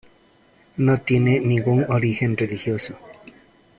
No tiene ningún origen religioso.